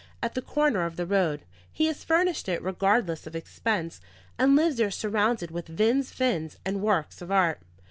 at the corner of the road; he has furnished it regardless of expense, and lives there surrounded with vins fins and works of art.